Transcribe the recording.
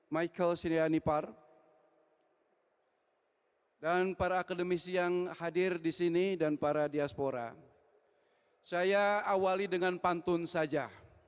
michael sirianipar dan para akademisi yang hadir di sini dan para diaspora saya awali dengan pantun saja